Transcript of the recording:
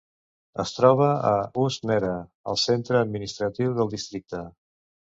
Es troba a Ust-Nera, el centre administratiu del districte.